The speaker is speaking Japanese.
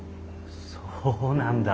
そうなんだ。